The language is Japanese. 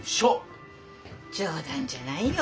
冗談じゃないよ。